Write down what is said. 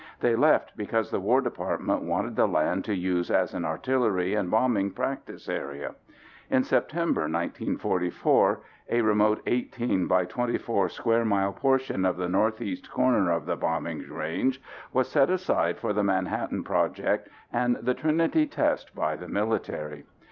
They left because the War Department wanted the land to use as an artillery and bombing practice area. In September 1944, a remote 18 by 24 square mile portion of the north east corner of the Bombing Range was set aside for the Manhattan Project and the Trinity test by the military.